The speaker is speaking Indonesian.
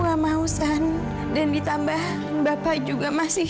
kamu itu dari mana aja sih